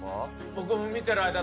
僕も見てる間。